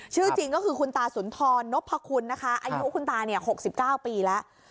ชื่อจริงก็คือคุณตาสุณธรณกวัคคุณอายุคุณตา๖๙ปีแล้ว